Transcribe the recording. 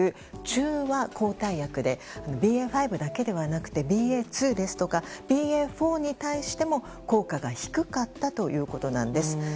中和抗体薬でＢＡ．５だけではなくてＢＡ．２ですとかＢＡ．４に対しても効果が低かったということなんです。